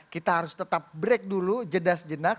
kita harus tetap break dulu jedas jedas